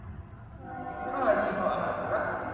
สิบห้า ยี่ห้ออาหารสุนัข